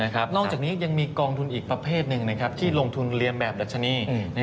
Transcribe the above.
นอกจากนี้ยังมีกองทุนอีกประเภทหนึ่งที่ลงทุนเรียนแบบดัชนี